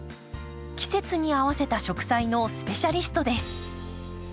季節に合わせた植栽のスペシャリストです。